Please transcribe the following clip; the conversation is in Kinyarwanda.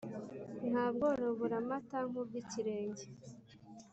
nta bworo buramata nk’ubw’ikirenge